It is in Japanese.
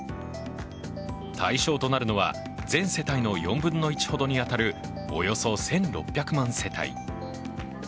対象となるのは全世帯の４分の１ほどに当たる、およそ１６００万世帯。